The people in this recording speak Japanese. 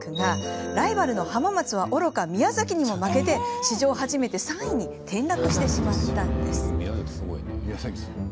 ライバルの浜松はおろか宮崎にも負け、史上初めて３位に転落してしまったんです。